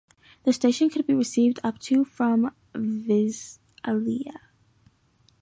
The station could be received up to from Visalia.